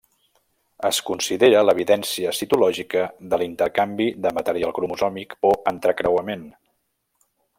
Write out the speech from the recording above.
Es considera l'evidència citològica de l'intercanvi de material cromosòmic o entrecreuament.